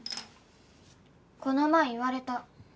この前言われた。